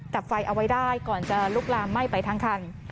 ดับไฟเอาไว้ได้ก่อนจะลุกลามไหม้ไปทั้งคัน